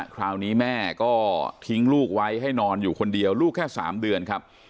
คราวนี้แม่ก็ทิ้งลูกไว้ให้นอนอยู่คนเดียวลูกแค่๓เดือนครับ